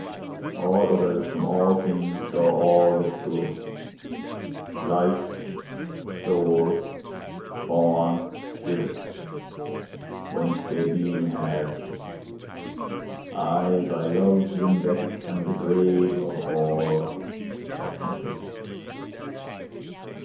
All others, from all things, draw all that's good, Life, soul, form, spirit, whence they being have ; I, by Love's limbec, am the grave Of all, that's nothing.